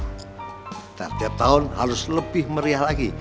kita tiap tahun harus lebih meriah lagi